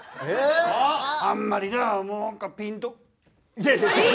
いやいや。